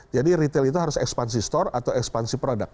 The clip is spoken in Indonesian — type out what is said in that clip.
jadi retail itu harus ekspansi store atau ekspansi produk